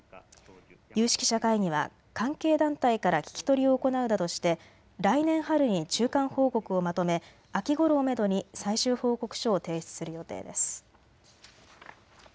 有識者会議は関係団体から聞き取りを行うなどして来年春に中間報告をまとめ秋ごろをめどに最終報告書を提出する予定です。